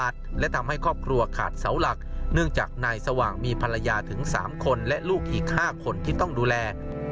สามคนและลูกอีกห้าคนที่ต้องดูแล